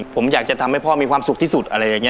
ผมอยากจะทำให้พ่อมีความสุขที่สุด